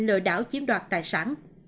lừa đảo chiếm đoạt tài sản